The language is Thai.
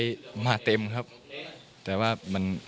เราเต็มที่กันแล้วครับ